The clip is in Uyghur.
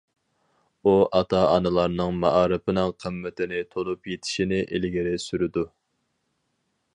ئۇ ئاتا-ئانىلارنىڭ مائارىپنىڭ قىممىتىنى تونۇپ يېتىشىنى ئىلگىرى سۈرىدۇ.